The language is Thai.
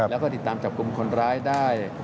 แล้วก็ติดตามจับกลุ่มคนร้ายได้